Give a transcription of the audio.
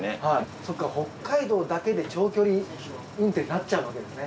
そっか北海道だけで長距離運転になっちゃうわけですね。